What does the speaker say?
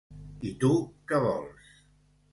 I tu, què vols?